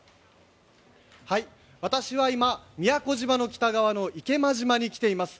私は今、宮古島の北側の池間島に来ています。